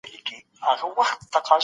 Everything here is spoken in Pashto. صفر تر ټولو کوچنی عدد دئ.